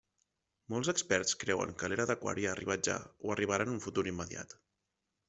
Molts experts creuen que l'era d'aquari ha arribat ja, o arribarà en un futur immediat.